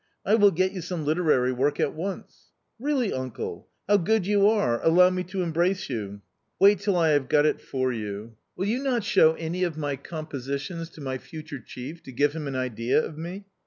I will get you some literary work at once." " Really, uncle ? how good you are !— allow me to embrace you." " Wait till I have got it for you." 58 A COMMON STORY 44 Will you not show any of my compositions to my future chief to give him an idea of me?"